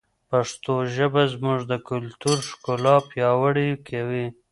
پښتو ژبه زموږ د کلتور ښکلا پیاوړې کوي.